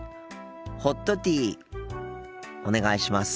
ホットティーお願いします。